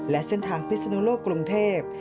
และเส้นทางพิศนุโลกกรุงเทพ